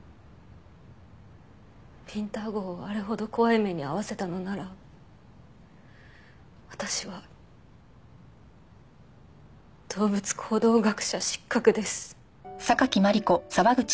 ウィンター号をあれほど怖い目に遭わせたのなら私は動物行動学者失格です。